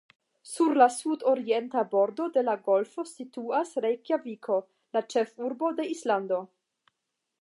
Sur la sud-orienta bordo de la golfo situas Rejkjaviko, la ĉefurbo de Islando.